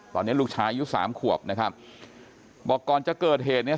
ตอนนี้ลูกชายอายุสามขวบนะครับบอกก่อนจะเกิดเหตุเนี่ย